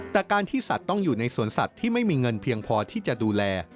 แต่การที่สัตว์ต้องอยู่ในสวนสัตว์ที่ไม่มีเงินเพียงพอที่จะดูแล